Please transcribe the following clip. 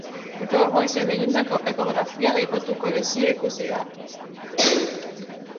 Gaur goizean egindako ekografian aipatutako lesioa ikusi da.